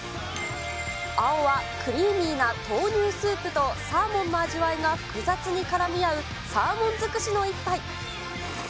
青はクリーミーな豆乳スープとサーモンの味わいが複雑にからみあうサーモン尽くしのいっぱい。